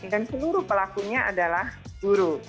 dan seluruh pelakunya adalah guru